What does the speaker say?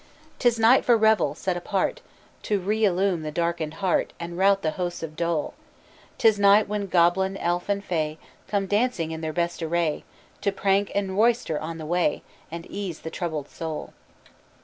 'Tis night for revel, set apart To reillume the darkened heart, And rout the hosts of Dole. 'Tis night when Goblin, Elf, and Fay, Come dancing in their best array To prank and royster on the way, And ease the troubled soul.